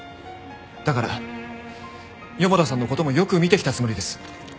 だから四方田さんの事もよく見てきたつもりです。